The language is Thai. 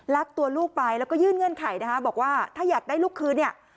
ตัวลูกไปแล้วก็ยื่นเงื่อนไขนะคะบอกว่าถ้าอยากได้ลูกคืนเนี่ย